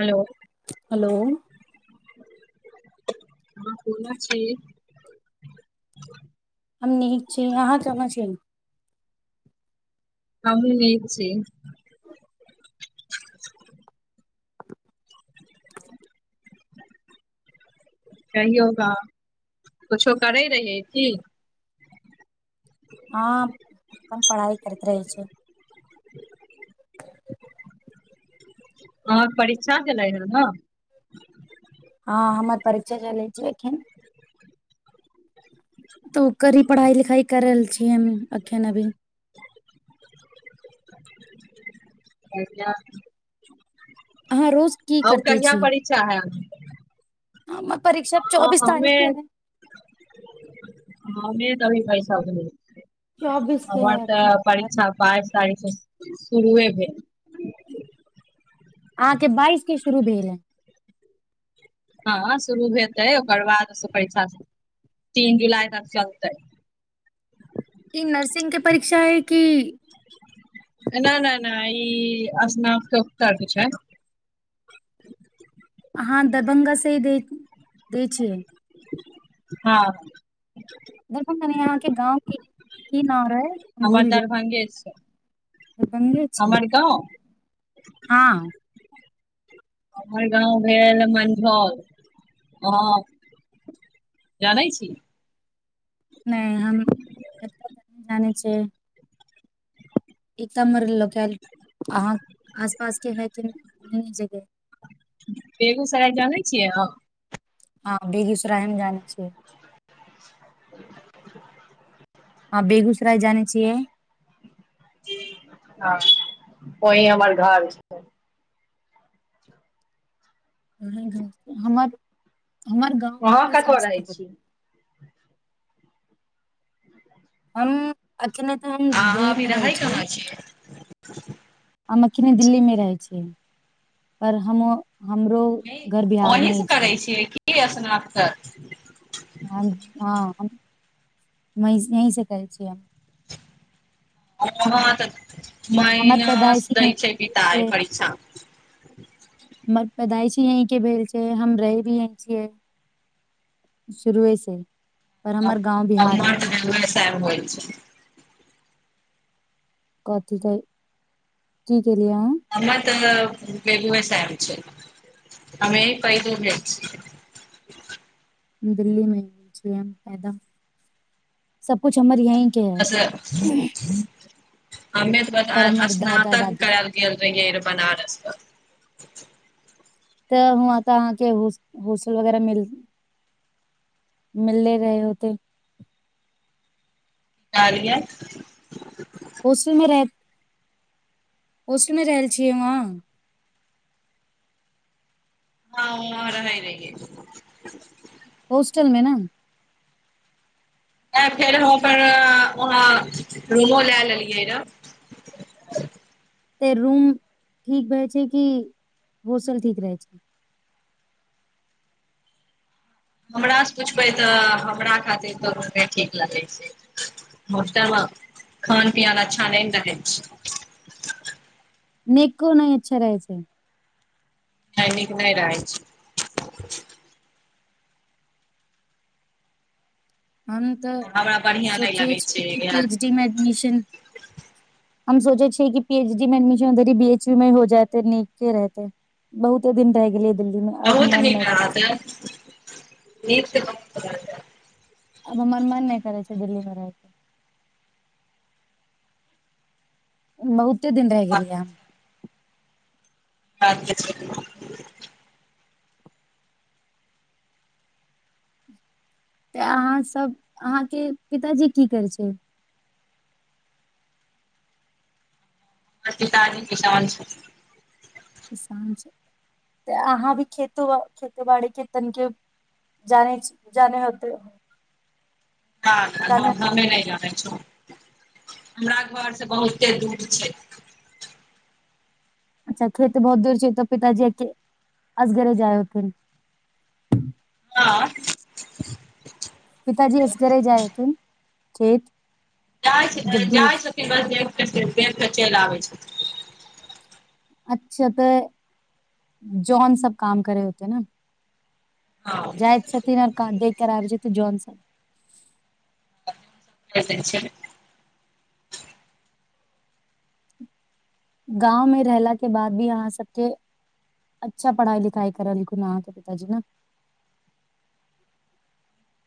Hello hello हाँ बोलै छी हम नीक छी अहाँ केहन छी हम भी नीक छी कहियौगा कुछो करै रहै की हाँ अपन पढ़ाइ करैत रहै छै अ परीक्षा भेलै हन न हँ हमर परीक्षा चलै छै एखिन तऽ ओकरी पढ़ाइ लिखाई कर रहल छियै हम अखन अभी [unintelligible] अहाँ रोज की आओर करते कहिया छी परीक्षा हेतै हमर परीक्षा चौबीस तारीखके हइ तभी पैसा भेलै के है हमर अखन तऽ परीक्षा बाइस तारीख स शुरुए भेल अहाँके बाइस के शुरू भेल या हँ शुरू हेतै ओकर बाद परीक्षा तीन जुलाई तक चलतै ई नर्सिंग के परीक्षा हइ की न-न-ना ई स्नाकोत्तर के छै अहाँ दरभंगा स ही दै -दैय छियै हाँ दरभंगामे अहाँके गाँवके के की नाम रहैय हमर दरभंगे छै दरभंगे छी हमर गाँव हाँ हमर गाँव भेल मनझौल अहाँ जानै छी नहि हम जानै छै ई त हमर लोकल अहाँ आस पास के है की नै जेबे। [unintelligible] बेगूसराय जानै छियै अहाँ। हँ हम बेगूसराय हम जानै छी। हाँ बेगूसराय जानै छियै हाँ ओहि हमर घर छै हूँ हमर हमर गाँव अहाँ परतेै कतऽ रहै समस्तीपुर। छी हम। अखिने तऽ हम अहाँ दिल्ली अभी मे रहै छी कहाँ छियै हम अखने दिल्ली मे रहै छी। पर हम। हमरो घर बिहारमे ही छै। क असना्त। ह यी से कहै छियै। ओ ह त। हमर मइनस पैदाइश ही दै यहीं के छै भेल बीतय परीक्षा म। हमर पैदाइ यहीं से भेल छै हम रहे भी यहीं छियै शुरुए से। पर अर हमर गाँव बिहार मे तऽ है दर सब होइ छै। कथी कहइ की केलिय अहाँ। हमर तऽ भेगू बेैसब छै अमे पैदू भे। दिल्ली मे छ पैदा सबकुछु हमर। यही के बस है। हमें पर त हमर दादा दादी स्नातककरैले गेल रहिये बनारस स। तऽ वहाँ तऽ अहाँके हो होस्टल वगैरह मिल मिलले रहे होते। की कहलिये। होटलमे रह होस्टलमे रहल छियै वहाँ। हा वांहा रहई रहिये। होस्टल में न। आ फेर हम अपन वहाँ रूमो लए लेलियै र। तऽ रूम ठीक रहै छै कि होस्टल ठीक रहै छै। हमरासँ पुछबै तऽ हमरा खातिर तऽ रूम नहि ठीक लगै छै होस्टलमे खान पन अच्छा नहि ने रहै छै। नेक को नहिं अच्छा रहै छै। नई निक नई रहई छै। हम तऽ हमरा बढ़िआँ नहि सोचै लगै छियै छै कि इएह पीएच डी मे एडमिशन। हम सोचे छियै कि पी एचडी में एडमिशन बी एच वी में हो जाते नीके रहते बहुते दिन रहहि गेले। न तनीराद न क। [unintelligible] आब हमर मन नहि करै छै दिल्लीमे रहैके। बहुत। एते दिन रहि गेलियै हन [unintelligible] तऽ अहाँसभ अहाँके पिताजी की करै छै हमर पिताजी किसान छथीन। किसान छै तऽ अहाँ भी खेती बाड़ीके तनिके जानै जाने होवे। ह म ल [inaudible] हमरा घरसँ बहुते दूर छै अच्छा खेत बहुत दूर छै तऽ पिताजी अके-असगरे जाए होथिन हाँ पिताजी असगरे जाइहोथिन खेत जाइ छै जब दूर जाइ छथिन बस देख के देख के चलि आबै छथिन [unintelligible] अच्छा तऽ जॉन सब काम करे होतै न हँ जाइत छथिन आर काम कराबै छथि जॉन स [unintelligible] गाँवमे रहला के बाद भी अहाँ सबके अच्छा पढ़ाइ लिखाई करलखुन अहाँके पिताजी न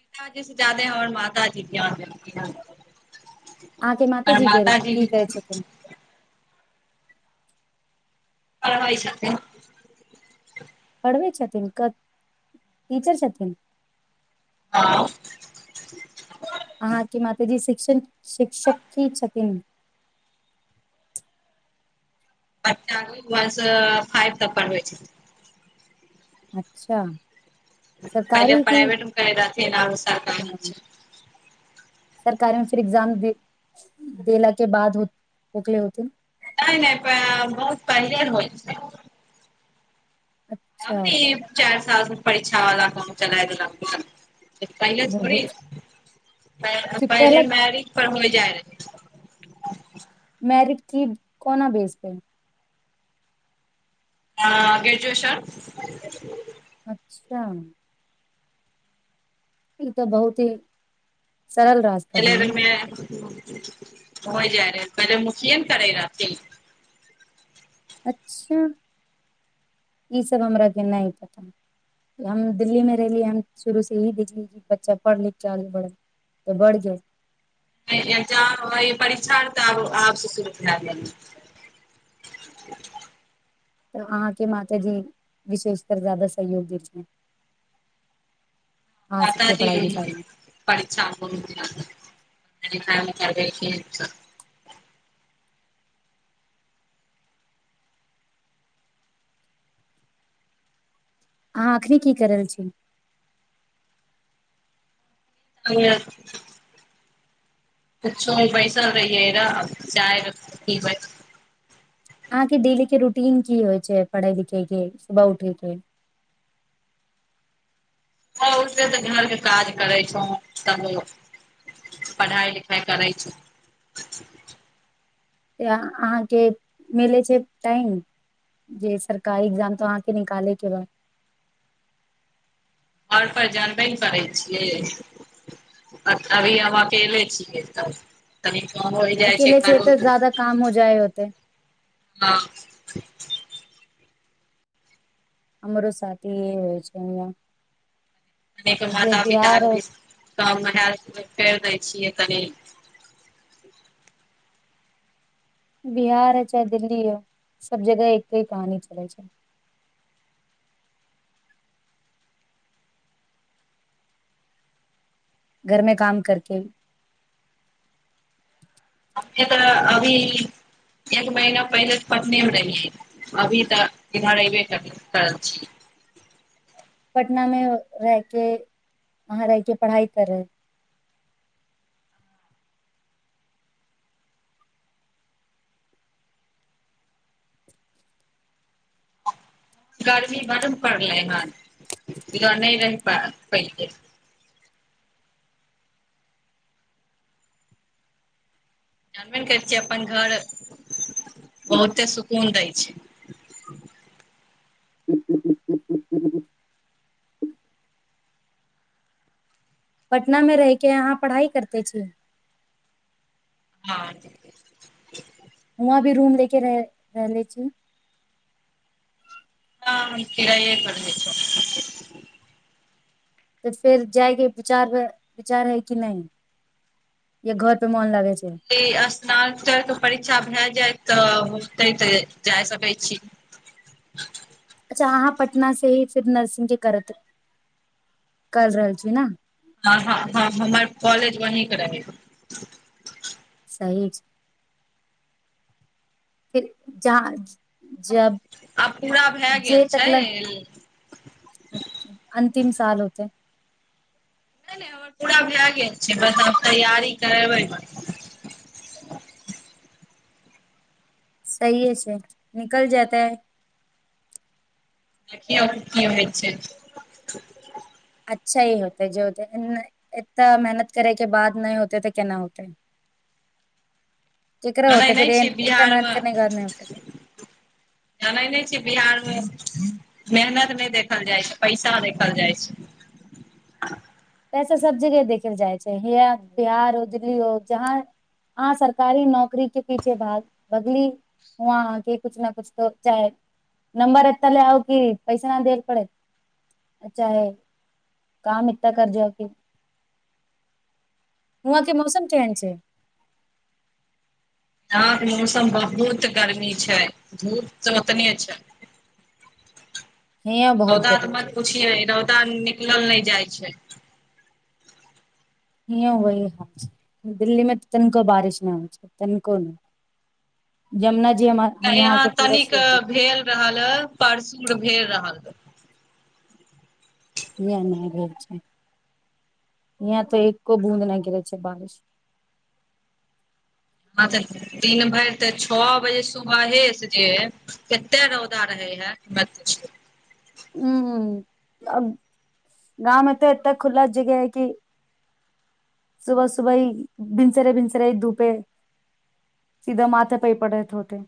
पिताजी से ज्यादे हमर मातजी ध्यान देलखिन हन अहाँ के माते हमर जी कर माताजी की भी रहै छथिन पढ़बै छथिन टीचर छथिन हाँ अहाँके माताजी शिक्ष-शिक्षक ही छथिन अचछा व फाइव तक पढ़बै छथिन अच्छा पहिले सरकारी की प्राइवेटमे करै रहथिन आ सरकारी छै सरकार मे फिर एग्जाम दे--देला के बाद होखले होथिन नहि नहि प- बहुत पहिले होइ अच्छा छै [unintelligible] परछा वला ग चला द पहिले थोड़ी बहुत फिर पहिले पहला मैरिज पर होइ [unintelligible] मैरिट की कोना बेसपे आ-ग्रजुएशन अच्छा ई तऽ बहुत ही सरल रास्ता भेलै न होय जाइ रहलै पहिले मुखियये न करै रहथिन अच्छा ईसभ हमराके नहि पता हम दिल्लीमे रहलियै हम शुरूसँ इही देखलियै कि बच्चा पढ़ लिखके आगे बढ़ै तऽ बढ़ जजो पहिले एक्जाम होइ परीक्षा आर तऽ आब से शुरू भ गेल तऽ अहाँके माताजी विशेषकर ज्यादा सहयोग दै छथिन माता जी परीक्षा [unintelligible] लिखा लिखा देलखिन अहाँ एखनी की कर रहल छी कुछोमे बैसल रहियै र-चाय पीबैत अहाँके डेली के रूटीन की होइ छै पढ़य लिखैके सुबह उठेय के त उे तऽ घरके काज करै छौ तब पढ़ाइ लिखाइ करै छौ तऽ अहाँके मिलै छै टाइम जे सरकारी एग्जाम तऽ अहाँके निकालयके र - आओर पर जानबे न करै छियै अभी हम अकेले छियै तब तनी काम होइ जाइ अकेले छै घरो तऽ ज़्यदा काम हो जाए होते हाँ हमरो साथी ए होइ छै न अपनेके मात पिता भी काम हाथ फेर दै छिय तनी बिहार ह चाहे दिल्ली ह सभ जगह एके कहानी चलै छै घरमे काम करके ने तऽ अभी एक महीना पहिले तऽ पटने मे रहियै अभी तऽ इधर अबे कर करल छियै पटनामे रहिके वहाँ रहिके पढ़ाइ करै गर्मी बड्ड पड़ल हन ईहो नहि रहि पा-पेलकै जानबे ने करै छियै अपन घर बहुते सुकून दैय छै पटनामे रहिके अहाँ पढ़ाइ करते छी हाँ उहाँ भी रूम ले के रह- रहले छी हाँ हम किराइए पर रहै छी तऽ फेर जायके विचार विचार हइ कि नहि या घर पे मोन लागै छै जे स्नात्तक के परीक्षा भए जाइ तऽ होतै तऽ जा सकै छी अच्छा अहाँ पटना से ही सिर्फ नर्सिंग के करत कर रहल छी न हाँ हँ हँ हमर कॉलेज वहीं पर रहै सही छै फिर जांझ आब पूरा भए गेल छै तकल तीन साल होतै नहि नहि हमर पूरा भए गेल छै बस आब तैयारी करबै बस सहिए छै निकल जेतै देखियौ की होइ छै अच्छा ही होतै जे होतै इतना मेहनत करैके बाद नहि होतै तऽ केना होतै जानै नहि छियै बिहारमे नहि होते जानै नहि छियै बिहारमे मेहनत नहि देखल जाइ छै पैसा देखल जाइ छै पैसा सब जगह देखल जाइ छै या बिहार हो दिल्ली हो जहाँ अहाँ सरकारी नौकरी के पीछे भाग भगली वहां अहाँके कुछ ने कुछ तो चाहे नम्बर एते लाउ की पैसा ना दे पड़ै चाहे काम तकर जॉब भी वहाँ के मौसम केहन छै यहाँ के मौसम बहुत गर्मी छै धूप तऽ उतने छै हियां बहुत रौदा गर्मी मत छै पूछियै रौदा निं- नीकलल नहि जाइ छै हिंयों उहि हाल छै दिल्ली मे तऽ तनिको बारिश नहि होइ छै तनिको नहि जमुना जी हमर यहाँ के पूरा तनिक सूख गेल भेल रहल परसुर भेल रहल। य नहि घ छै अाँ त एको बूद नहि घिर छै बारिश। हँ त दिन भरि त छओ बजे सुबहेसँ जे कतेक रौदा रहै हए नई पुचू। हूँ अब गाँवमे तऽ एतेक खुला जगह है कि सुबह सुबह ही भिनसरे भिनसरे ही धूपे सीधा माथे पर पड़यै होतै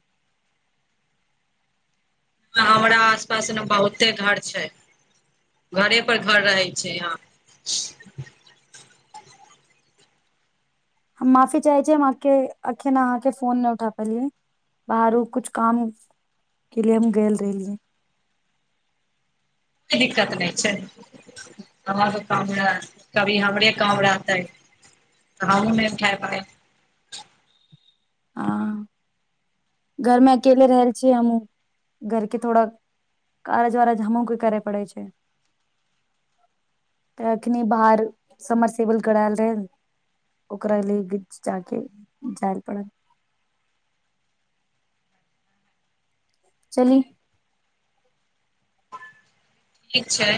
हमरा आस पास न बहुते घर छै घरे पर घर रहै छै यहाँ हम माफी चाहे छी हम आके अखन अहाँके फोन नहि उठा पलियै बाहरो कुछ काम के लिए हम गेल रहलियए। कोनो दिक्कत नहि छै। आ काम रहे कभी हमरे काम रहतै तऽ हमूँ नहि उठाय पायब हँ घरमे अकेले रहल छियै हमूँ घरके थोड़ा काज वाज हमरो के करे पड़ै छै तऽ अखनी बाहर समर सेबल करायल रहीए न ओकरा लि जााक जाय पड़ल। चली ठीक छै।